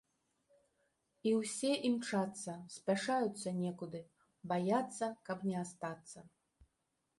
І ўсе імчацца, спяшаюцца некуды, баяцца, каб не астацца.